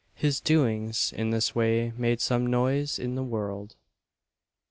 His doings in this way made some noise in the world.